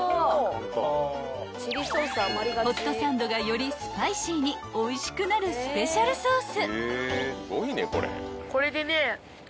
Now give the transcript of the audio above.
［ホットサンドがよりスパイシーにおいしくなるスペシャルソース］